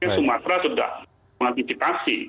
sumatera sudah mengaktifasi